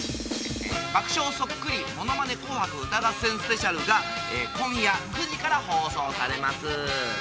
「爆笑そっくりものまね紅白歌合戦スペシャル」が今９時から放送します。